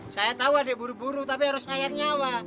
saya tahu adik buru buru tapi harus sayang nyawa